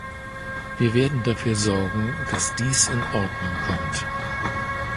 Wir werden dafür sorgen, dass dies in Ordnung kommt.